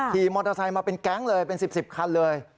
ขี่มอเตอร์ไซค์มาเป็นแก๊งเลยเป็น๑๐คันเลย